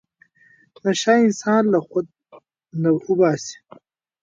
نشه انسان له خود نه اوباسي.